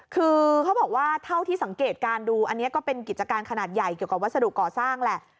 คือเขาบอกว่าเท่าที่สังเกตการณ์ดูอันนี้ก็เป็นกิจการขนาดใหญ่เกี่ยวกับวัสดุก่อสร้างแหละ